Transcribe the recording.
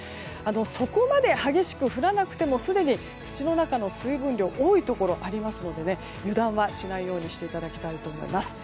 そこまで激しく降らなくてもすでに土の中の水分量が多いところありますので油断はしないようにしていただきたいと思います。